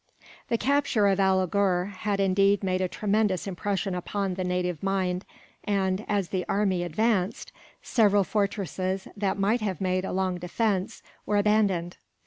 The capture of Alighur had indeed made a tremendous impression upon the native mind and, as the army advanced, several fortresses that might have made a long defence were abandoned.